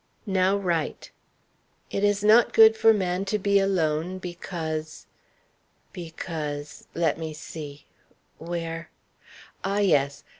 Now write: 'It is not good for man to be alone, because' because let me see; where ah, yes!